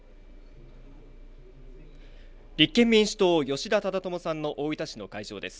立憲民主党、吉田忠智さんの大分市の会場です。